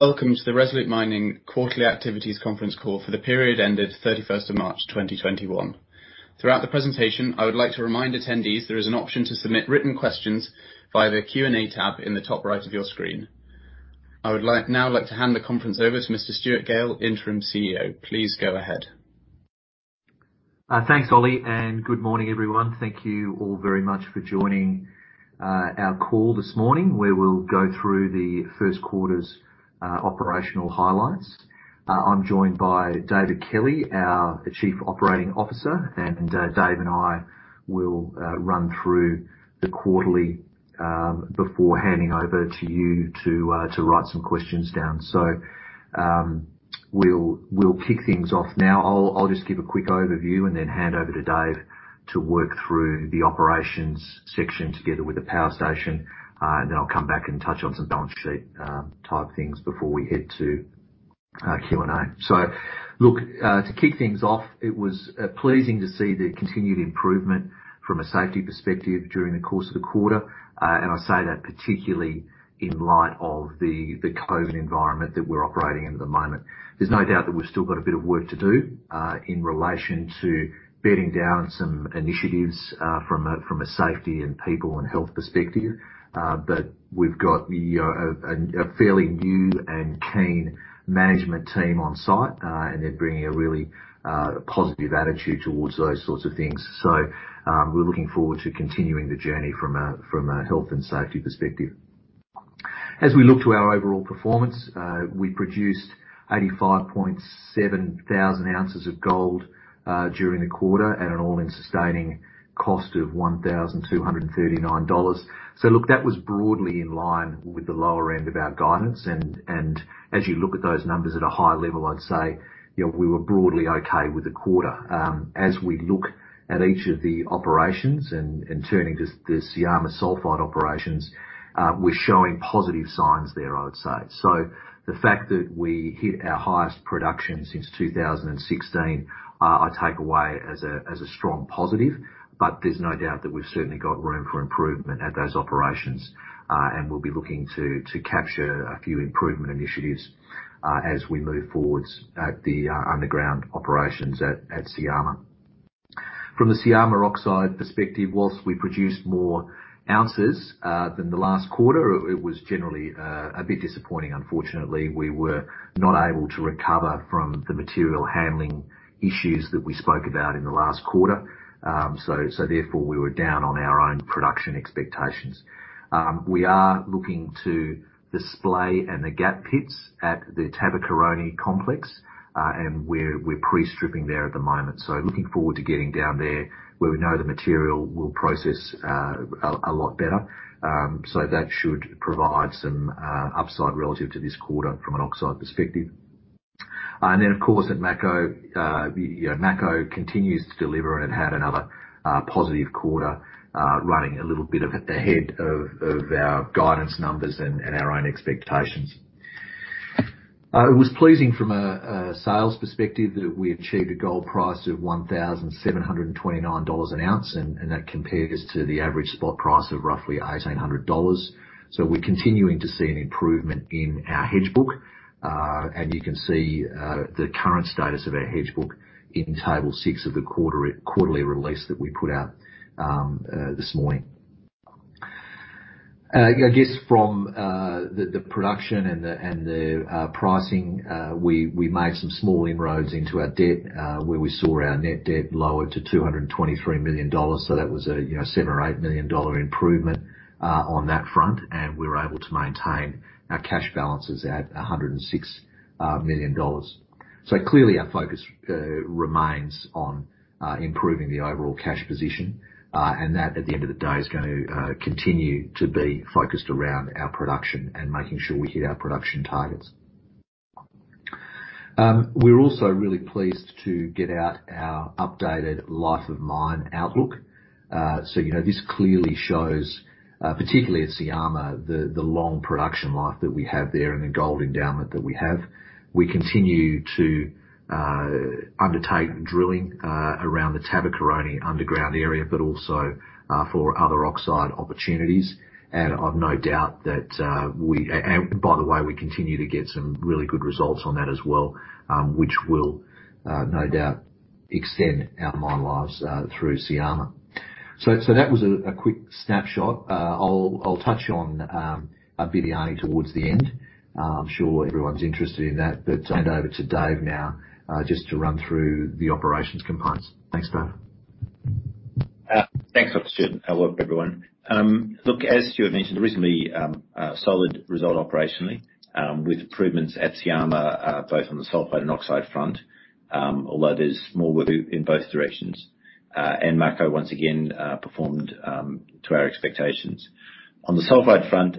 Welcome to the Resolute Mining quarterly activities conference call for the period ended 31st of March 2021. Throughout the presentation, I would like to remind attendees there is an option to submit written questions via the Q&A tab in the top right of your screen. I would now like to hand the conference over to Mr. Stuart Gale, Interim CEO. Please go ahead. Thanks, Ollie. Good morning, everyone. Thank you all very much for joining our call this morning, where we'll go through the first quarter's operational highlights. I'm joined by David Kelly, our Chief Operating Officer. Dave and I will run through the quarterly before handing over to you to write some questions down. We'll kick things off now. I'll just give a quick overview. Then hand over to Dave to work through the operations section together with the power station. Then I'll come back and touch on some balance sheet type things before we head to Q&A. Look, to kick things off, it was pleasing to see the continued improvement from a safety perspective during the course of the quarter. I say that particularly in light of the COVID environment that we're operating in at the moment. There's no doubt that we've still got a bit of work to do, in relation to bedding down some initiatives from a safety and people and health perspective. We've got a fairly new and keen management team on site, and they're bringing a really positive attitude towards those sorts of things. We're looking forward to continuing the journey from a health and safety perspective. As we look to our overall performance, we produced 85,700 oz of gold during the quarter at an all-in sustaining cost of $1,239. Look, that was broadly in line with the lower end of our guidance and, as you look at those numbers at a high level, I'd say we were broadly okay with the quarter. As we look at each of the operations and turning to the Syama sulfide operations, we're showing positive signs there, I would say. The fact that we hit our highest production since 2016, I take away as a strong positive, but there's no doubt that we've certainly got room for improvement at those operations. We'll be looking to capture a few improvement initiatives as we move forwards at the underground operations at Syama. From the Syama oxide perspective, whilst we produced more ounces than the last quarter, it was generally a bit disappointing, unfortunately. We were not able to recover from the material handling issues that we spoke about in the last quarter. Therefore, we were down on our own production expectations. We are looking to the Splay and the Gap pits at the Tabakoroni complex, we're pre-stripping there at the moment. Looking forward to getting down there where we know the material will process a lot better. That should provide some upside relative to this quarter from an oxide perspective. Of course, at Mako. Mako continues to deliver and had another positive quarter, running a little bit at the head of our guidance numbers and our own expectations. It was pleasing from a sales perspective that we achieved a gold price of $1,729 an ounce, and that compares to the average spot price of roughly $1,800. We're continuing to see an improvement in our hedge book, and you can see the current status of our hedge book in table six of the quarterly release that we put out this morning. I guess from the production and the pricing, we made some small inroads into our debt, where we saw our net debt lower to $223 million. That was a $7 million or $8 million improvement on that front, and we were able to maintain our cash balances at $106 million. Clearly our focus remains on improving the overall cash position, and that, at the end of the day, is going to continue to be focused around our production and making sure we hit our production targets. We're also really pleased to get out our updated life of mine outlook. This clearly shows, particularly at Syama, the long production life that we have there and the gold endowment that we have. We continue to undertake drilling around the Tabakoroni Underground area, but also for other oxide opportunities. I've no doubt that. By the way, we continue to get some really good results on that as well, which will no doubt extend our life of mine through Syama. That was a quick snapshot. I'll touch on Bibiani towards the end. I'm sure everyone's interested in that. Hand over to Dave now, just to run through the operations compliance. Thanks, Dave. Thanks, Stuart. Hello, everyone. Look, as Stuart mentioned, a reasonably solid result operationally with improvements at Syama both on the sulfide and oxide front. Although there's more work in both directions. Mako once again, performed to our expectations. On the sulfide front,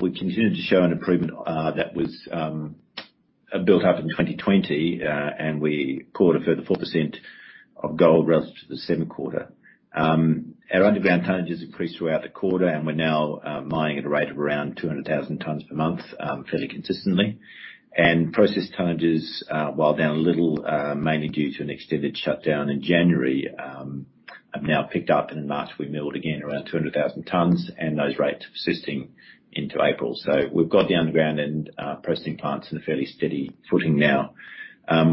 we continued to show an improvement that was built up in 2020, and we poured a further 4% of gold relative to the same quarter. Our underground tonnages increased throughout the quarter, and we're now mining at a rate of around 200,000 tons per month, fairly consistently. Processed tonnages, while down a little, mainly due to an extended shutdown in January, have now picked up, and in March we milled again around 200,000 tons, and those rates are persisting into April. We've got the underground and pressing plants in a fairly steady footing now.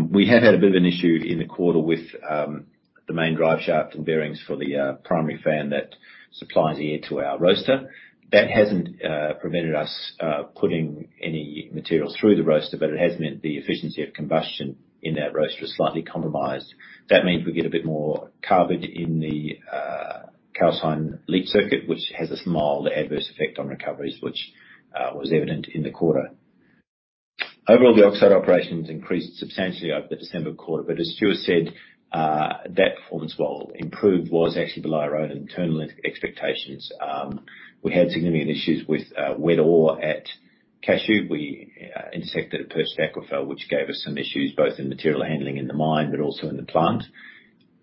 We have had a bit of an issue in the quarter with the main drive shaft and bearings for the primary fan that supplies air to our roaster. That hasn't prevented us putting any material through the roaster, but it has meant the efficiency of combustion in that roaster is slightly compromised. That means we get a bit more carbon in the calcine leach circuit, which has a small adverse effect on recoveries, which was evident in the quarter. Overall, the oxide operations increased substantially over the December quarter, but as Stuart said, that performance, while improved, was actually below our own internal expectations. We had significant issues with wet ore at Cashew. We intersected a perched aquifer, which gave us some issues, both in material handling in the mine, but also in the plant.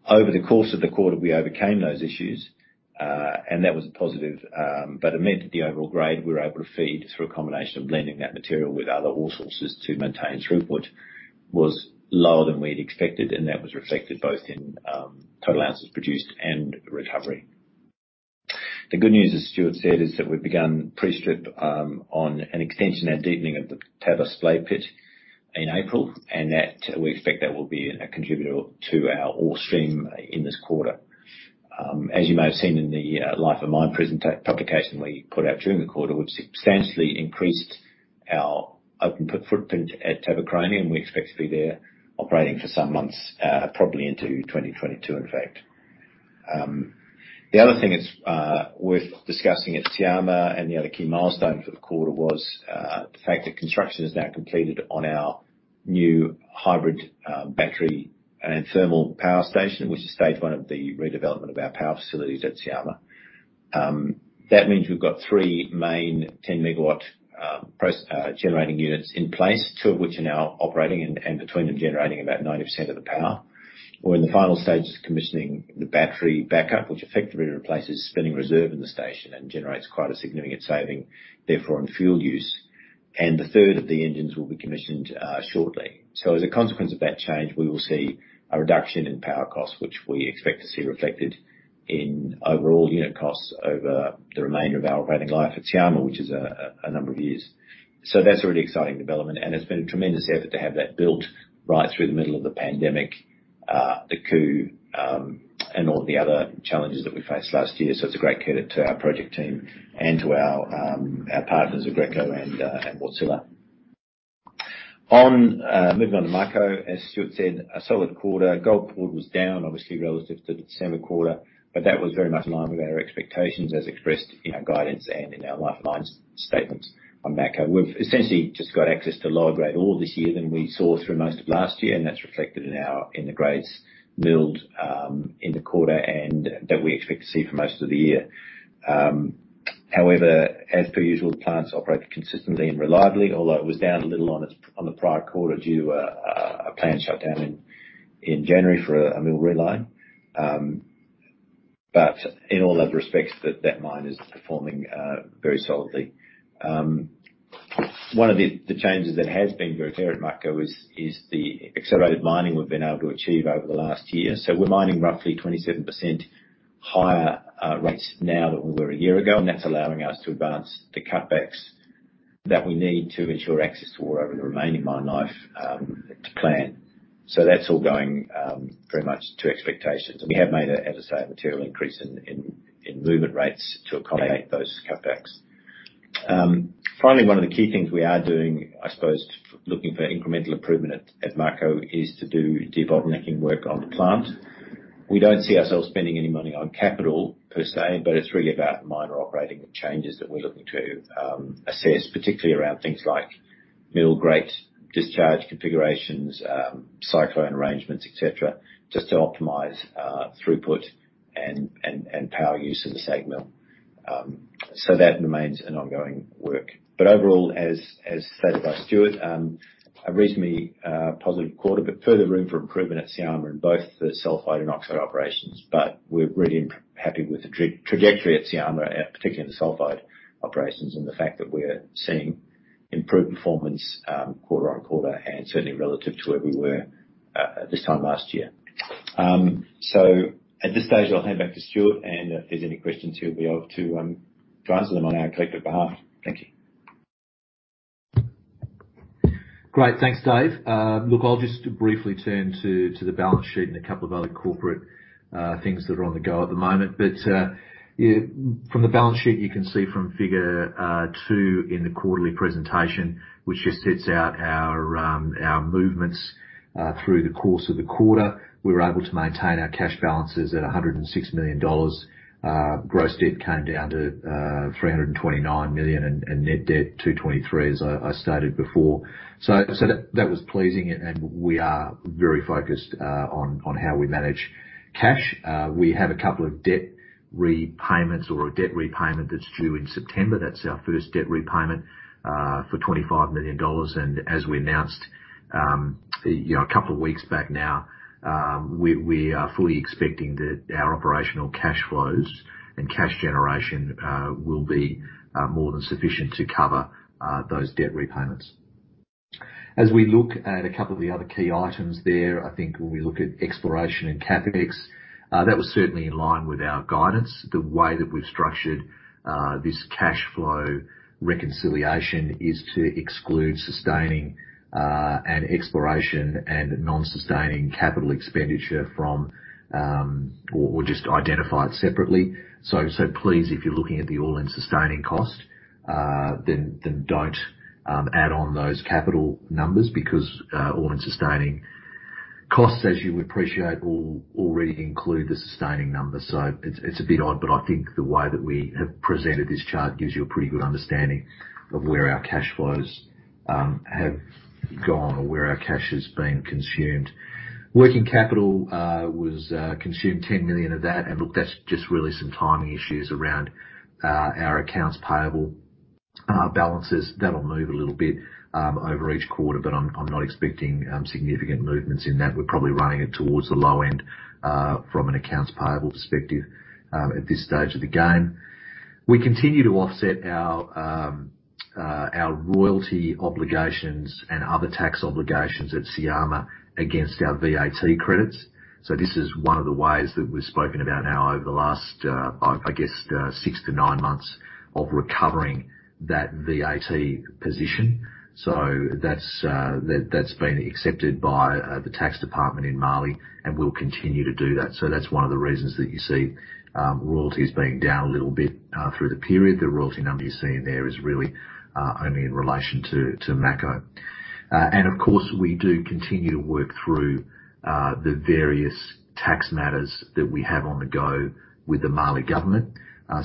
Over the course of the quarter, we overcame those issues, and that was a positive. It meant that the overall grade we were able to feed, through a combination of blending that material with other ore sources to maintain throughput, was lower than we'd expected, and that was reflected both in total ounces produced and recovery. The good news, as Stuart said, is that we've begun pre-strip on an extension and deepening of the Taba Splay pit in April, and that we expect that will be a contributor to our ore stream in this quarter. As you may have seen in the life of mine publication we put out during the quarter, we've substantially increased our open pit footprint at Tabakoroni, and we expect to be there operating for some months, probably into 2022, in fact. The other thing that's worth discussing at Syama and the other key milestone for the quarter was the fact that construction is now completed on our new hybrid battery and thermal power station, which is stage one of the redevelopment of our power facilities at Syama. That means we've got three main 10 MW generating units in place, two of which are now operating and between them generating about 90% of the power. We're in the final stages of commissioning the battery backup, which effectively replaces spinning reserve in the station and generates quite a significant saving, therefore, on fuel use. The third of the engines will be commissioned shortly. As a consequence of that change, we will see a reduction in power costs, which we expect to see reflected in overall unit costs over the remainder of our operating life at Syama, which is a number of years. That's a really exciting development, and it's been a tremendous effort to have that built right through the middle of the pandemic, the coup, and all the other challenges that we faced last year. It's a great credit to our project team and to our partners at Aggreko and Wärtsilä. Moving on to Mako. As Stuart said, a solid quarter. Gold poured was down, obviously, relative to the December quarter, but that was very much in line with our expectations as expressed in our guidance and in our life of mine statements on Mako. We've essentially just got access to lower-grade ore this year than we saw through most of last year, and that's reflected in the grades milled in the quarter and that we expect to see for most of the year. However, as per usual, the plants operate consistently and reliably, although it was down a little on the prior quarter due to a planned shutdown in January for a mill reline. In all other respects, that mine is performing very solidly. One of the changes that has been very clear at Mako is the accelerated mining we've been able to achieve over the last year. We're mining roughly 27% higher rates now than we were a year ago, and that's allowing us to advance the cutbacks that we need to ensure access to ore over the remaining mine life to plan. That's all going very much to expectations, and we have made, as I say, a material increase in movement rates to accommodate those cutbacks. Finally, one of the key things we are doing, I suppose, looking for incremental improvement at Mako is to do debottlenecking work on the plant. We don't see ourselves spending any money on capital per se, but it's really about minor operating changes that we're looking to assess, particularly around things like mill grate, discharge configurations, cyclone arrangements, et cetera, just to optimize throughput and power use of the SAG mill. That remains an ongoing work. Overall, as stated by Stuart, a reasonably positive quarter, but further room for improvement at Syama in both the sulfide and oxide operations. We're really happy with the trajectory at Syama, particularly in the sulfide operations and the fact that we're seeing improved performance quarter on quarter and certainly relative to where we were at this time last year. At this stage, I'll hand back to Stuart, and if there's any questions, he'll be able to answer them on our collective behalf. Thank you. Great. Thanks, Dave. I'll just briefly turn to the balance sheet and a couple of other corporate things that are on the go at the moment. From the balance sheet, you can see from figure two in the quarterly presentation, which just sets out our movements through the course of the quarter. We were able to maintain our cash balances at $106 million. Gross debt came down to $329 million and net debt $223 million, as I stated before. That was pleasing, and we are very focused on how we manage cash. We have a couple of debt repayments, or a debt repayment that's due in September. That's our first debt repayment for $25 million. As we announced a couple of weeks back now, we are fully expecting that our operational cash flows and cash generation will be more than sufficient to cover those debt repayments. As we look at a couple of the other key items there, I think when we look at exploration and CapEx, that was certainly in line with our guidance. The way that we've structured this cash flow reconciliation is to exclude sustaining and exploration and non-sustaining capital expenditure or just identify it separately. Please, if you're looking at the all-in sustaining cost, then don't add on those capital numbers because all-in sustaining costs, as you would appreciate, will already include the sustaining numbers. It's a bit odd, but I think the way that we have presented this chart gives you a pretty good understanding of where our cash flows have gone or where our cash has been consumed. Working capital was consumed, $10 million of that. Look, that's just really some timing issues around our accounts payable balances. That'll move a little bit over each quarter, but I'm not expecting significant movements in that. We're probably running it towards the low end, from an accounts payable perspective, at this stage of the game. We continue to offset our royalty obligations and other tax obligations at Syama against our VAT credits. This is one of the ways that we've spoken about now over the last, I guess, six to nine months of recovering that VAT position. That's been accepted by the tax department in Mali, and we'll continue to do that. That's one of the reasons that you see royalties being down a little bit through the period. The royalty number you're seeing there is really only in relation to Mako. Of course, we do continue to work through the various tax matters that we have on the go with the Mali government.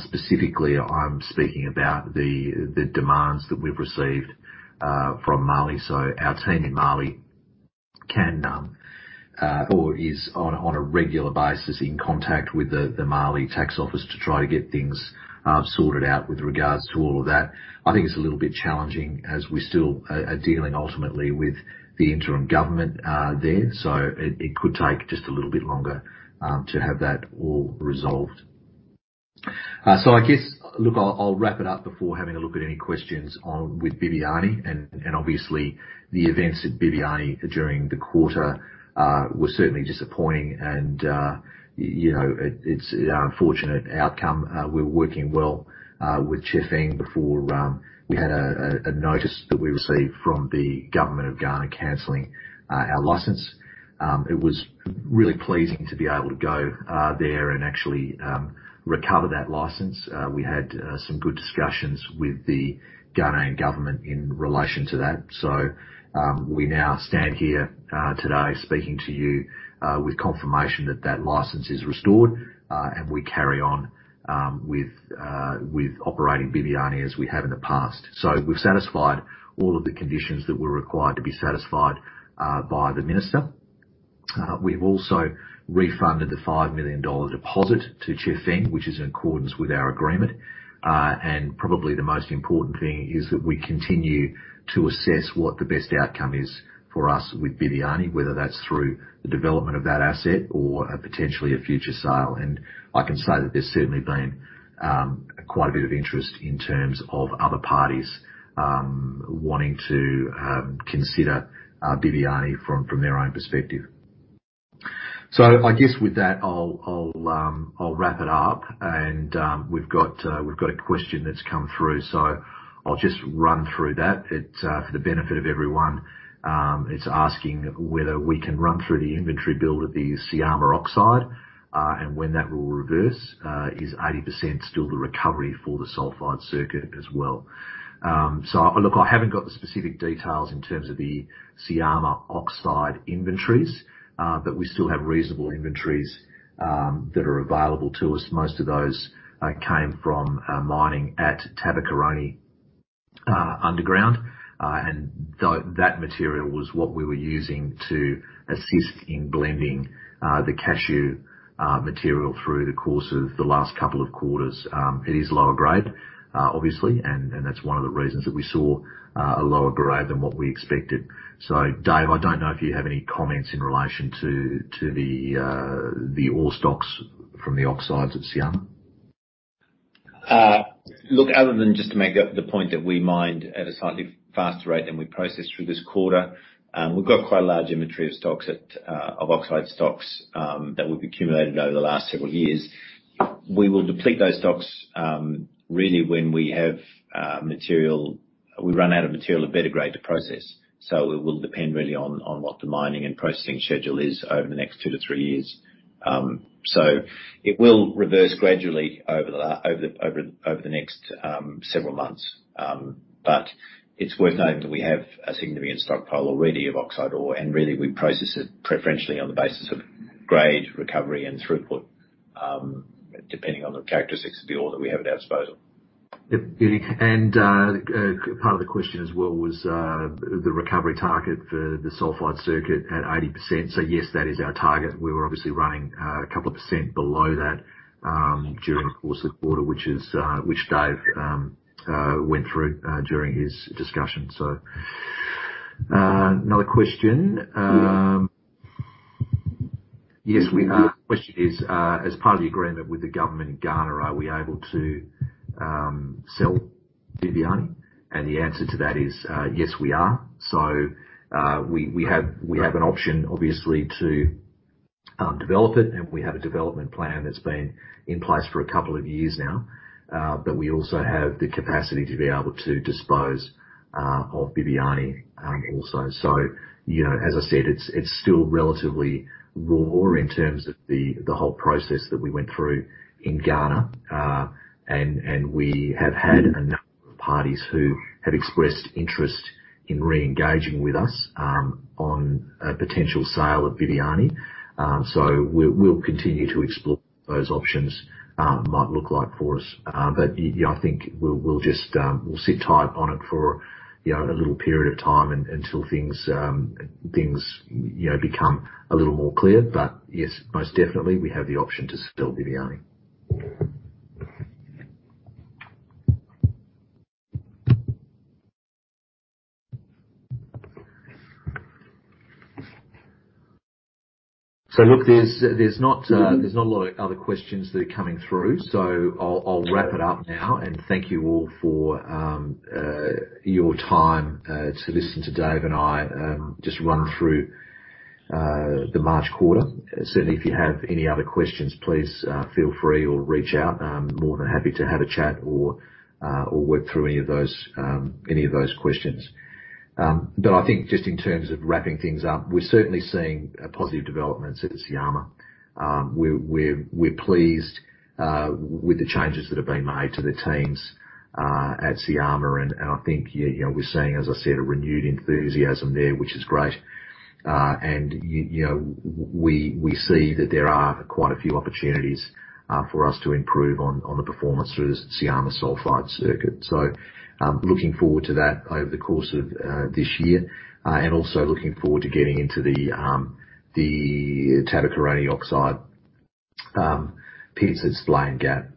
Specifically, I'm speaking about the demands that we've received from Mali. Our team in Mali can, or is on a regular basis in contact with the Mali tax office to try to get things sorted out with regards to all of that. I think it's a little bit challenging as we still are dealing ultimately with the interim government there. It could take just a little bit longer to have that all resolved. I guess, look, I'll wrap it up before having a look at any questions with Bibiani. Obviously, the events at Bibiani during the quarter were certainly disappointing and it's an unfortunate outcome. We were working well with Chifeng before we had a notice that we received from the government of Ghana canceling our license. It was really pleasing to be able to go there and actually recover that license. We had some good discussions with the Ghanaian government in relation to that. We now stand here today speaking to you, with confirmation that that license is restored, and we carry on with operating Bibiani as we have in the past. We've satisfied all of the conditions that were required to be satisfied by the minister. We've also refunded the $5 million deposit to Chifeng, which is in accordance with our agreement. Probably the most important thing is that we continue to assess what the best outcome is for us with Bibiani, whether that's through the development of that asset or potentially a future sale. I can say that there's certainly been quite a bit of interest in terms of other parties wanting to consider Bibiani from their own perspective. I guess with that, I'll wrap it up. We've got a question that's come through, so I'll just run through that for the benefit of everyone. It's asking whether we can run through the inventory build of the Syama oxide, and when that will reverse. Is 80% still the recovery for the sulfide circuit as well? Look, I haven't got the specific details in terms of the Syama oxide inventories. We still have reasonable inventories that are available to us. Most of those came from mining at Tabakoroni Underground. That material was what we were using to assist in blending the Cashew material through the course of the last couple of quarters. It is lower grade, obviously, and that's one of the reasons that we saw a lower grade than what we expected. Dave, I don't know if you have any comments in relation to the ore stocks from the oxides at Syama. Look, other than just to make the point that we mined at a slightly faster rate than we processed through this quarter. We've got quite a large inventory of oxide stocks that we've accumulated over the last several years. We will deplete those stocks really when we run out of material of better grade to process. It will depend really on what the mining and processing schedule is over the next two to three years. It will reverse gradually over the next several months. It's worth noting that we have a significant stockpile already of oxide ore, and really, we process it preferentially on the basis of grade, recovery and throughput, depending on the characteristics of the ore that we have at our disposal. Yep. Part of the question as well was the recovery target for the sulfide circuit at 80%. Yes, that is our target. We were obviously running a couple of percent below that during the course of the quarter, which Dave went through during his discussion. Another question-Yes, we are. The question is, as part of the agreement with the government in Ghana, are we able to sell Bibiani? The answer to that is yes, we are. We have an option, obviously, to develop it, and we have a development plan that's been in place for a couple of years now. We also have the capacity to be able to dispose of Bibiani also. As I said, it's still relatively raw in terms of the whole process that we went through in Ghana. We have had a number of parties who have expressed interest in re-engaging with us on a potential sale of Bibiani. We'll continue to explore what those options might look like for us. I think we'll sit tight on it for a little period of time until things become a little more clear. Yes, most definitely, we have the option to sell Bibiani. Look, there's not a lot of other questions that are coming through. I'll wrap it up now and thank you all for your time to listen to Dave and I just run through the March quarter. Certainly, if you have any other questions, please feel free or reach out. I'm more than happy to have a chat or work through any of those questions. I think just in terms of wrapping things up, we're certainly seeing positive developments at Syama. We're pleased with the changes that have been made to the teams at Syama, and I think we're seeing, as I said, a renewed enthusiasm there, which is great. We see that there are quite a few opportunities for us to improve on the performance through the Syama sulfide circuit. Looking forward to that over the course of this year, and also looking forward to getting into the Tabakoroni oxide piece at Splay and Gap.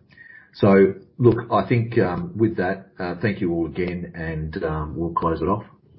Look, I think with that, thank you all again, and we'll close it off.